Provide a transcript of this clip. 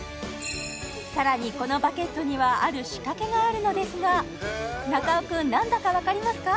さらにこのバケットにはある仕掛けがあるのですが中尾君何だか分かりますか？